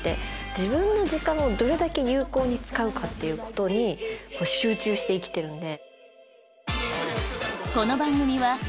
自分の時間をどれだけ有効に使うかっていうことに集中して生きてるので。